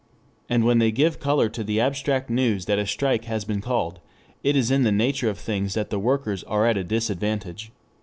And when they give color to the abstract news that a strike has been called, it is in the nature of things that the workers are at a disadvantage.